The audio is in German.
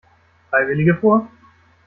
Freiwillige vor!